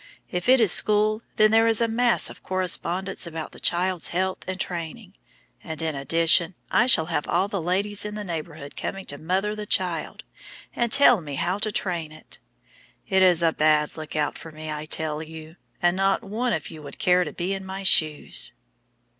If it is school, then there is a mass of correspondence about the child's health and training; and, in addition, I shall have all the ladies in the neighborhood coming to mother the child and tell me how to train it. It is a bad look out for me, I can tell you, and not one of you would care to be in my shoes."